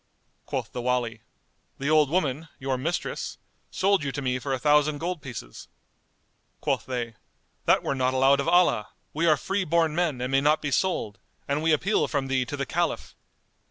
Quoth the Wali, "The old woman, your mistress, sold you to me for a thousand gold pieces." Quoth they, "That were not allowed of Allah; we are free born men and may not be sold, and we appeal from thee to the Caliph."